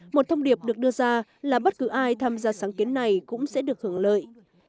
một thông điệp được đưa ra là bất cứ ai tham gia sáng kiến này cũng sẽ được hưởng lợi